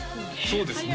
そうですね